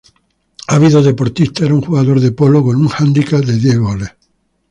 Ávido deportista, era un jugador de polo con un hándicap de diez goles.